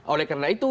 oleh karena itu